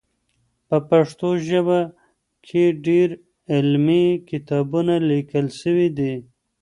په پښتو ژبه کې ډېر علمي کتابونه لیکل سوي دي.